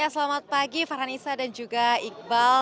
selamat pagi farhan issa dan juga iqbal